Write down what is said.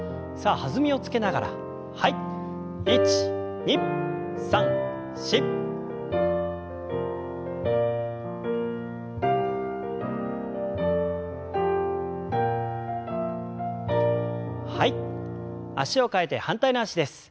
脚を替えて反対の脚です。